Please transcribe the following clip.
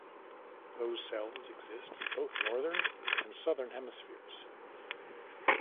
Those cells exist in both the northern and southern hemispheres.